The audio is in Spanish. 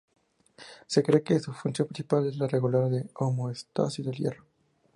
Se cree que su función principal es la de regular la homeostasis del hierro.